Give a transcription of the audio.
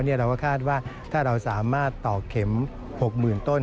เราก็คาดว่าถ้าเราสามารถต่อเข็ม๖๐๐๐ต้น